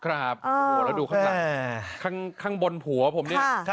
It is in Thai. ครับโอ้โหแล้วดูข้างหลังข้างบนผัวผมเนี่ย